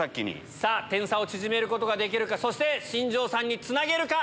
さあ、点差を縮めることができるか、そして新庄さんにつなげるか。